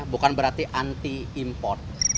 bukan berarti anti import